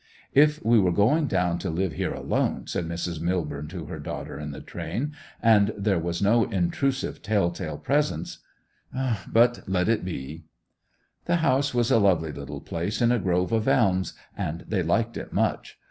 'If we were going down to live here alone,' said Mrs Millborne to her daughter in the train; 'and there was no intrusive tell tale presence! ... But let it be!' The house was a lovely little place in a grove of elms, and they liked it much.